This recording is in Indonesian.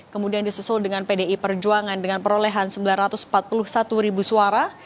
kemudian disusul dengan pdi perjuangan dengan perolehan sembilan ratus empat puluh satu ribu suara